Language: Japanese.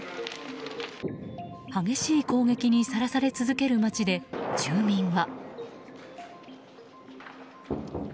激しい攻撃にさらされ続ける街で住民は。